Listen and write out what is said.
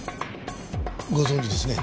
ご存じですね？